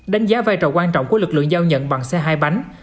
đánh giá vai trò quan trọng của lực lượng giao nhận bằng xe hai bánh